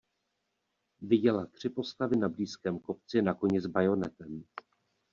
Viděla tři postavy na blízkém kopci na koni s bajonetem.